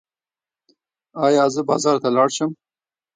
ایا زه بازار ته لاړ شم؟